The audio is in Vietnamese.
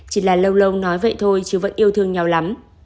chỉ là lâu lông nói vậy thôi chứ vẫn yêu thương nhau lắm